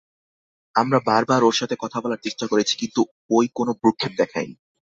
আমরা বারবার ওর সাথে কথা বলার চেষ্টা করেছি, কিন্তু ওই কোনো ভ্রুক্ষেপ দেখায়নি।